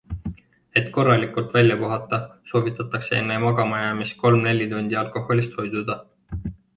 Et korralikult välja puhata, soovitatakse enne magamajäämist kolm-neli tundi alkoholist hoidua.